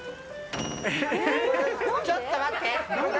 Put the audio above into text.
ちょっと待って！